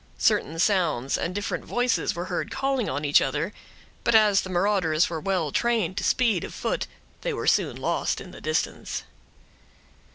Certain sounds and different voices were heard calling on each other, but as the marauders were well trained to speed of foot, they were soon lost in the distance.